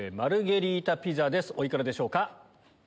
お幾らでしょうか？